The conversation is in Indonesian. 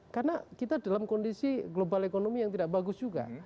karena kita dalam kondisi global ekonomi yang tidak bagus juga